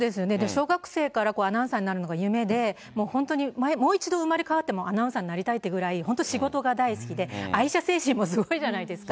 小学生からアナウンサーになるのが夢で、もう本当にもう一度生まれ変わってもアナウンサーになりたいっていうくらい、本当に仕事が大好きで、愛社精神もすごいじゃないですか。